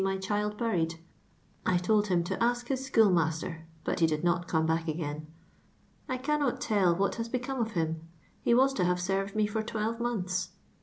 my child buried; I told him to ask his ^ohoo' ' master, but he did not come back again. I r.innot I tell what has become of him ; he was t<^ h.i^e ^ wsiN^iA. wxe Cvir twelve months.